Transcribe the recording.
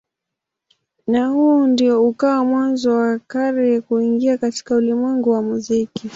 Na huu ndio ukawa mwanzo wa Carey kuingia katika ulimwengu wa muziki.